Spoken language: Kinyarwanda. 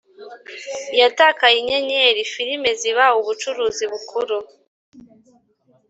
yatakaye inyenyeri: filime ziba ubucuruzi bukuru